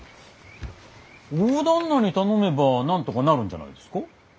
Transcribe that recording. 大旦那に頼めばなんとかなるんじゃないですか？